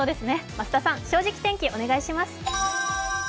増田さん、「正直天気」お願いします。